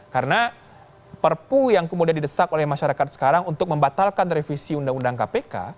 karena perpu yang kemudian didesak oleh masyarakat sekarang untuk membatalkan revisi undang undang kpk